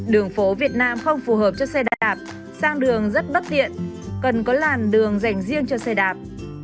đường phố việt nam không phù hợp cho xe đạp sang đường rất bất tiện cần có làn đường dành riêng cho xe đạp